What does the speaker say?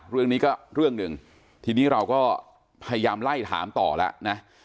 เรื่องนี้ก็เรื่องหนึ่งทีนี้เราก็พยายามไล่ถามต่อแล้วนะ